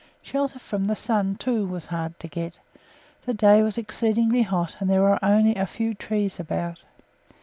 Shelter from the sun, too, was hard to get; the day was exceedingly hot, and there were only a few trees about.